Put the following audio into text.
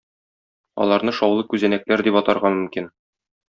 Аларны "шаулы күзәнәкләр" дип атарга мөмкин.